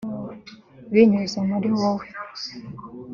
Binyuze muri wowe